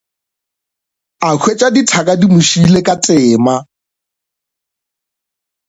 A hwetša dithaka di mo šiile ka tema.